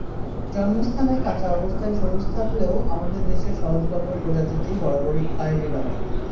জন্মস্থানে কাঁচা অবস্থায় সবুজ থাকলেও আমাদের দেশে সহজলভ্য প্রজাতিটি বরাবরই খয়েরি রঙের।